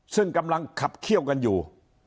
ซึ่งกำลังขับเขี้ยวกันอยู่